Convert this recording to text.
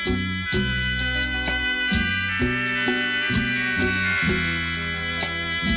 แค่นี้จริงเลย